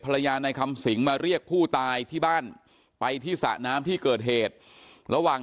นายคำสิงมาเรียกผู้ตายที่บ้านไปที่สระน้ำที่เกิดเหตุระหว่าง